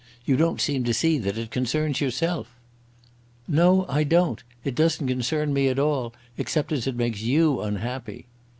You don't seem to see that it concerns yourself." "No; I don't. It doesn't concern me at all, except as it makes you unhappy."